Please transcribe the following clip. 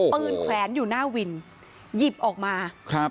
ปืนแขวนอยู่หน้าวินหยิบออกมา